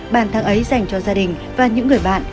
bàn thắng ấy dành cho gia đình và những người bạn